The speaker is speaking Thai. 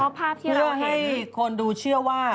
เพื่อให้คนดูเชื่อว่า